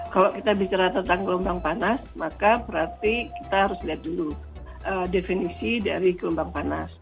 kalau kita bicara tentang gelombang panas maka berarti kita harus lihat dulu definisi dari gelombang panas